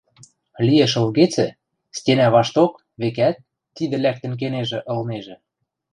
Лиэш ылгецӹ, стенӓ вашток, векӓт, тидӹ лӓктӹн кенежӹ ылнежӹ...